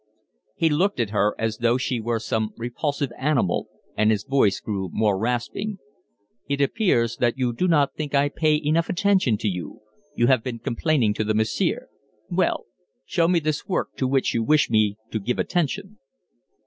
He looked at her as though she were some repulsive animal, and his voice grew more rasping. "It appears that you do not think I pay enough attention to you. You have been complaining to the massiere. Well, show me this work to which you wish me to give attention."